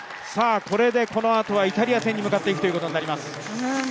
これでこのあとはイタリア戦に向かっていくことになります。